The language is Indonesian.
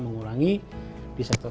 mengurangi bisnis transportasi